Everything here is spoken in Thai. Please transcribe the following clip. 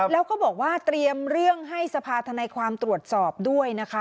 แล้วก็บอกว่าเตรียมเรื่องให้สภาธนายความตรวจสอบด้วยนะคะ